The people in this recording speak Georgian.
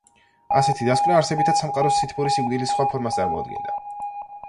ასეთი დასკვნა არსებითად სამყაროს სითბური სიკვდილის სხვა ფორმას წარმოადგენდა.